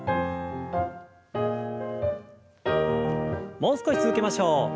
もう少し続けましょう。